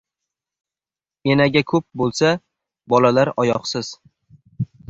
• Enaga ko‘p bo‘lsa, bolalar oyoqsiz.